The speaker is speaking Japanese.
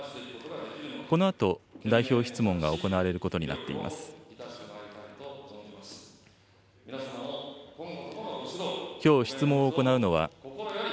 このあと代表質問が行われることになっています。